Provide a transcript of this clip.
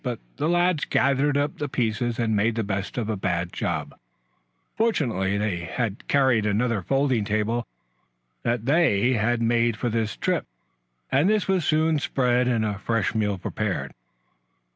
But the lads gathered up the pieces and made the best of a bad job. Fortunately they carried another folding table that they had had made for their trip, and this was soon spread and a fresh meal prepared.